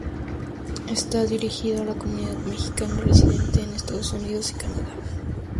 Está dirigido a la comunidad mexicana residente en Estados Unidos y Canadá.